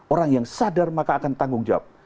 orang yang sadar maka akan tanggung jawab